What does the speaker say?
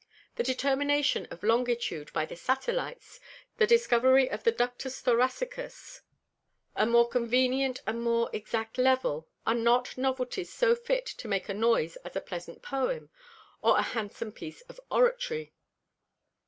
The Determination of Longitude by the Satellites, the Discovery of the Ductus Thoracicus, a more convenient, and more exact Level, are not Novelties so fit to make a noise as a pleasant Poem, or a handsome Piece of Oratory.